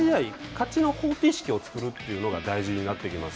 勝ちの方程式を作るというのが大事になってきます。